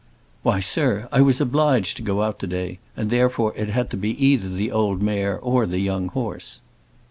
"Why, sir, I was obliged to go out to day, and therefore, it had to be either the old mare or the young horse."